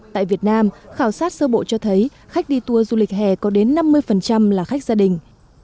tại việt nam khảo sát sơ bộ cho thấy khách đi tour du lịch hè có đến năm mươi là khách gia đình